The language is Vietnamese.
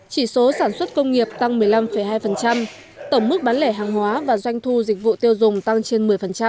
công nghiệp tăng một mươi năm hai tổng mức bán lẻ hàng hóa và doanh thu dịch vụ tiêu dùng tăng trên một mươi